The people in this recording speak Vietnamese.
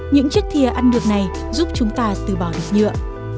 những chiếc thia ăn được này giúp chúng ta từ bỏ được nhựa